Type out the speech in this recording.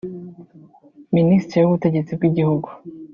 Minisitiri w’Ubutetsi bw’Igihugu